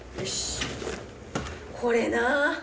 これな！